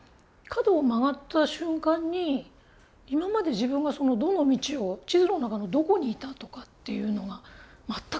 角を曲がった瞬間に今まで自分がどの道を地図の中のどこにいたとかっていうのが全く分からなくなってしまったり。